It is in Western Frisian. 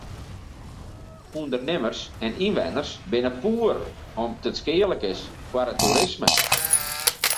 Undernimmers en ynwenners binne poer om't it skealik is foar it toerisme.